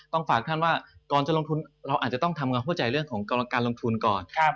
ฝากท่านว่าก่อนจะลงทุนเราอาจจะต้องทำความเข้าใจเรื่องของการลงทุนก่อน